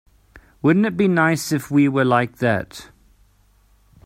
Wouldn't it be nice if we were like that?